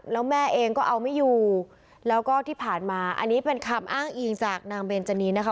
แล้วแม่เองก็เอาไม่อยู่แล้วก็ที่ผ่านมาอันนี้เป็นคำอ้างอิงจากนางเบนจานีนะคะ